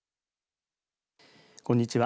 こんにちは。